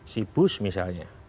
si bush misalnya